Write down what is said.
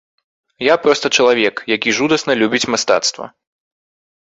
Я проста чалавек, які жудасна любіць мастацтва.